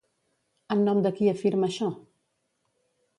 En nom de qui afirma això?